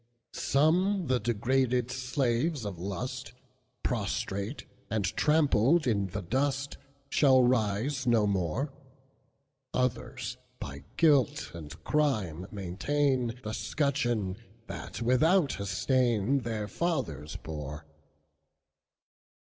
Some, the degraded slaves of lust, Prostrate and trampled in the dust, Shall rise no more; Others, by guilt and crime, maintainThe scutcheon, that, without a stain, Their fathers bore.